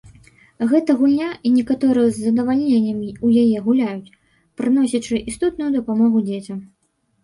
Гэта гульня, і некаторыя з задавальненнем у яе гуляюць, прыносячы істотную дапамогу дзецям.